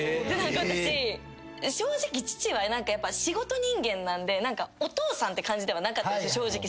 私正直父はやっぱ仕事人間なんで何かお父さんって感じではなかったんで正直。